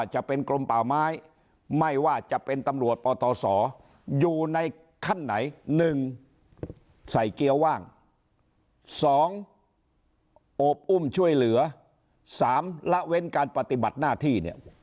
หรือว่าจะเป็นตำรวจปสอยู่ในขั้นไหน๑ใส่เกลียวว่าง๒อบอุ้มช่วยเหลือ๓ละเว้นการปฏิบัติหน้าที่